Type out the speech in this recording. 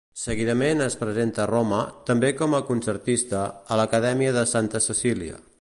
Seguidament es presenta a Roma, també com a concertista, a l'Acadèmia de Santa Cecília.